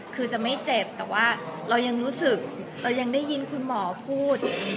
คือจะไม่เจ็บแต่ว่าเรายังรู้สึกเรายังได้ยินคุณหมอพูด